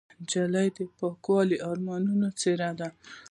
نجلۍ د پاکو ارمانونو څېره ده.